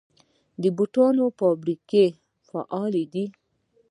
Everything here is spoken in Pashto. د بوټانو فابریکې فعالې دي؟